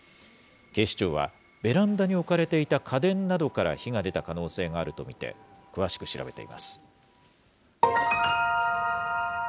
警視庁は、ベランダに置かれていた家電などから火が出た可能性があると見て、詳しく調べています。